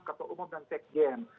ketua umum dan cek gen